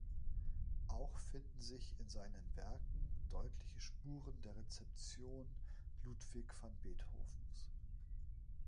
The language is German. Auch finden sich in seinen Werken deutliche Spuren der Rezeption Ludwig van Beethovens.